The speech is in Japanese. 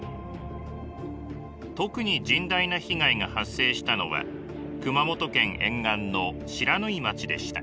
特に甚大な被害が発生したのは熊本県沿岸の不知火町でした。